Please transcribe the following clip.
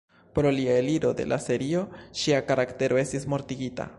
Pro lia eliro de la serio, ŝia karaktero estis mortigita.